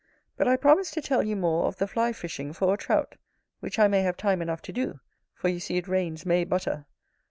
But I promised to tell you more of the Fly fishing for a Trout; which I may have time enough to do, for you see it rains May butter.